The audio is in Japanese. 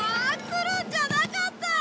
来るんじゃなかった！